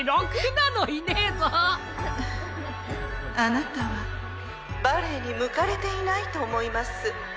あなたはバレエに向かれていないと思います。